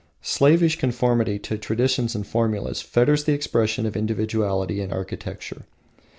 Slavish conformity to traditions and formulas fetters the expression of individuality in architecture.